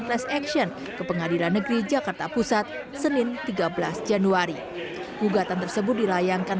class action ke pengadilan negeri jakarta pusat senin tiga belas januari gugatan tersebut dilayangkan